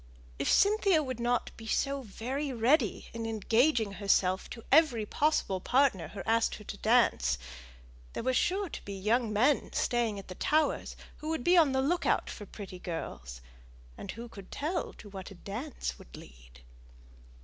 If Cynthia would not be so very ready in engaging herself to every possible partner who asked her to dance, there were sure to be young men staying at the Towers who would be on the look out for pretty girls: and who could tell to what a dance might lead?